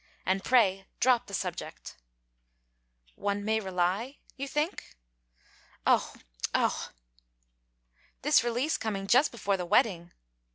And pray, drop the subject.' 'One may rely... you think?' 'Oh! Oh!' 'This release coming just before the wedding...!'